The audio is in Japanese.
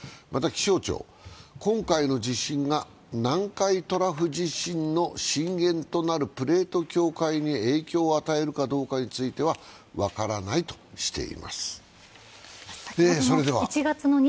また気象庁、今回の地震が南海トラフ地震の震源となるプレート境界に影響を与えるかどうかについては分からないとしています。